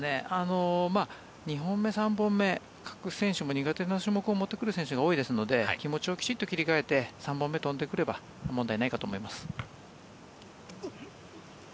２本目３本目、各選手も苦手な種目を持ってくる選手が多いですので気持ちをきちっと切り替えて３本目飛んでくれば問題ないかと思います。